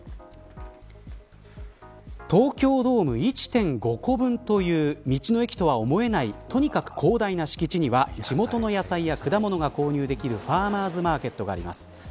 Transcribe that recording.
東京ドーム１．５個分という道の駅とは思えないとにかく広大な敷地には地元の野菜や果物が購入できるファーマーズマーケットがあります。